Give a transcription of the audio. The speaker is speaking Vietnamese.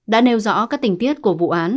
đã nêu rõ các tình tiết của vụ án